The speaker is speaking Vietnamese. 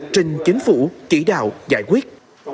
trên chính phủ chỉ đạo giải quyết